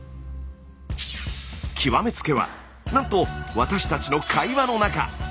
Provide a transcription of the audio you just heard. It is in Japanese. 極め付けはなんと私たちの会話の中。